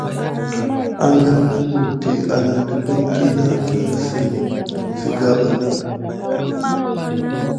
Anga mu wukdi an depeydi kunosouk silà ba.